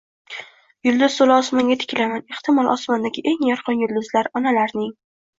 Yulduz to'la osmonga tikilaman. Ehtimol, osmondagi eng yorqin yulduzlar onalarning